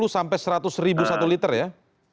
sepuluh sampai seratus ribu satu liter ya